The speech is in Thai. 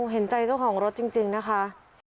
เห็นใจเจ้าของรถจริงนะคะ